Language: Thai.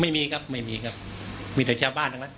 ไม่มีครับไม่มีครับมีเจ้าบ้านนะ